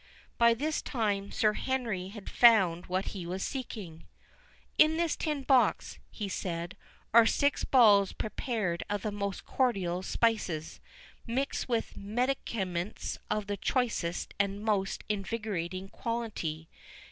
By this time Sir Henry had found what he was seeking. "In this tin box," he said, "are six balls prepared of the most cordial spices, mixed with medicaments of the choicest and most invigorating quality.